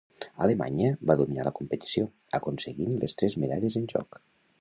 Alemanya va dominar la competició, aconseguint les tres medalles en joc.